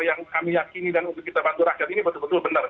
yang kami yakini dan untuk kita bantu rakyat ini betul betul benar